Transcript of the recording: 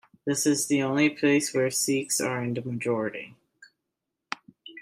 This is the only place where Sikhs are in the majority.